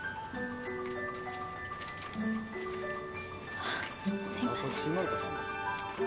あっすいません。